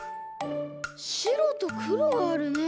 しろとくろがあるね！